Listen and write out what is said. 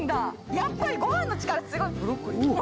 やっぱりご飯の力、強い。